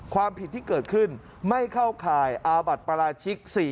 ความผิดที่เกิดขึ้นไม่เข้าข่ายอาบัติปราชิก